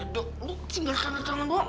duh lu singgah tangan tangan banget